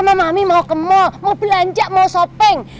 mau ke mall mau belanja mau shopping